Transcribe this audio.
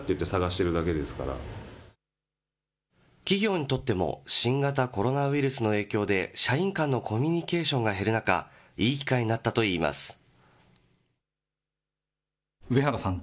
企業にとっても新型コロナウイルスの影響で、社員間のコミュニケーションが減る中、いい機会になったといいます。